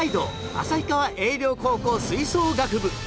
旭川永嶺高校吹奏楽部。